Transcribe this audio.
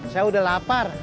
saya udah lapar